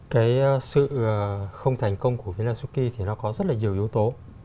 cái sự không thành công của vinasuki thì nó có rất là nhiều yếu tố